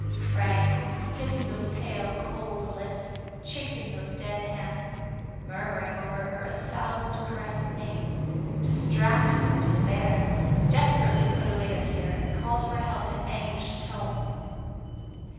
Frank, kiss ing those pale, cold lips, chafing those dead hands, murmuring over her a thousand caressing names, distracted with despair, desperately put away the fear, and called for help in anguished tones.